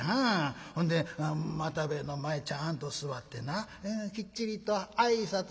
ほんで又兵衛の前ちゃんと座ってなきっちりと挨拶したで。